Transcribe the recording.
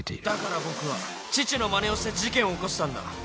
「だから僕は父のまねをして事件を起こしたんだ」